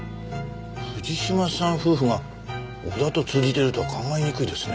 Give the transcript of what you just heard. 藤島さん夫婦が小田と通じてるとは考えにくいですね。